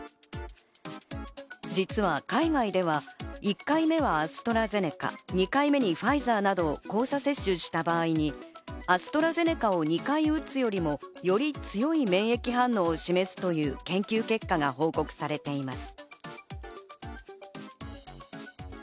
実は海外では１回目はアストラゼネカ、２回目にファイザーなど交差接種した場合にアストラゼネカを２回打つよりもより強い免疫反応を示すという研究結果が報告されています。